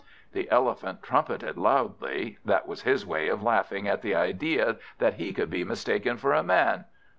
The Elephant trumpeted loudly. That was his way of laughing at the idea that he could be mistaken for a Man.